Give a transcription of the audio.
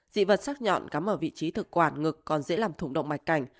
dị vật sắc nhọn cắm ở vị trí thực quản ngực còn dễ làm thủng động mạch cảnh